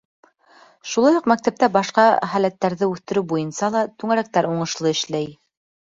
Шулай уҡ мәктәптә башҡа һәләттәрҙе үҫтереү буйынса ла түңәрәктәр уңышлы эшләй.